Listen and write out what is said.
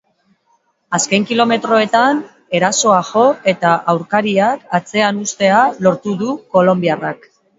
Azken kilometroetan erasoa jo eta aurkariak atzean uztea lortu du kolonbiarrak.